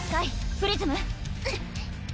プリズム！